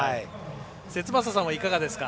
節政さんはいかがですか。